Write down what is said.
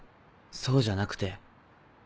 そうじゃなくて。